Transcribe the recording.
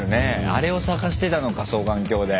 あれを探してたのか双眼鏡で。